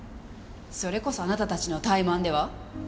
それこそあなたたちの怠慢では？